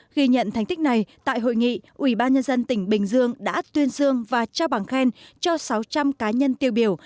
ghi nhận thành tích này tại hội nghị ubnd tỉnh bình dương đã tuyên dương và trao bằng khen cho sáu trăm linh cá nhân tiêu biểu